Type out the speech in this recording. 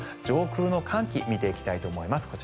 上空の寒気を見ていきたいと思います。